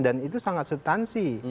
dan itu sangat subtansi